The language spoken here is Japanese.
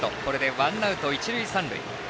ワンアウト、一塁三塁。